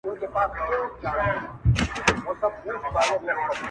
څوک له ښاره څوک راغلي وه له کلي.!